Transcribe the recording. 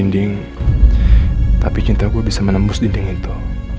dinding tapi cinta gue bisa menembus dinding itu